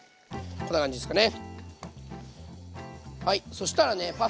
こんな感じですね。